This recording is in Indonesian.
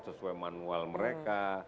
sesuai manual mereka